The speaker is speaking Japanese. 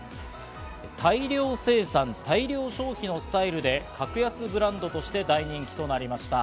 大量生産・大量消費のスタイルで格安ブランドとして大人気となりました。